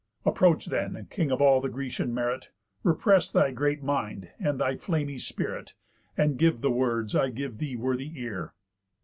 Approach then, king of all the Grecian merit, Repress thy great mind and thy flamy spirit, And give the words I give thee worthy ear.